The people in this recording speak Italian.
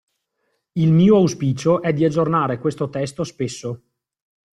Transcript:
Il mio auspicio è di aggiornare questo testo spesso.